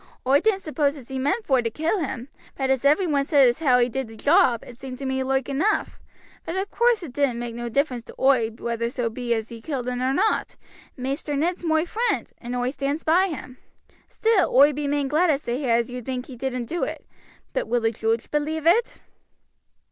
Oi didn't suppose as how he meant vor to kill him, but as everyone said as how he did the job it seemed to me loike enough; but of course it didn't make no differ to oi whether so be as he killed un or not. Maister Ned's moi friend, and oi stands by him; still oi be main glad to hear as you think he didn't do it; but will the joodge believe it?"